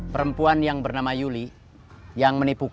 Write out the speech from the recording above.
perempuan yang bernama yuli yang menipu